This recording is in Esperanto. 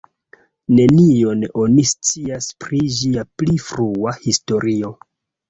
Nenion oni scias pri ĝia pli frua historio.